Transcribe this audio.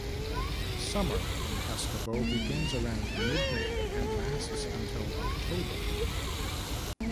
Summer in Haskovo begins around mid-May and lasts until October.